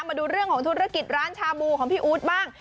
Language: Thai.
มาดูเรื่องของธุรกิจร้านชาบูของพี่อู๊ดบ้าง